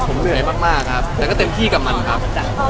ผมเหนื่อยมากครับแต่ก็เต็มที่กับมันครับ